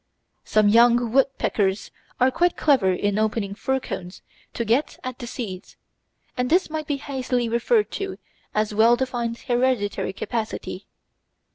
Some young woodpeckers are quite clever in opening fir cones to get at the seeds, and this might be hastily referred to a well defined hereditary capacity.